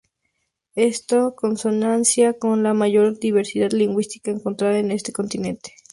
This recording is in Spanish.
Esto está en consonancia con la mayor diversidad lingüística encontrada en este continente.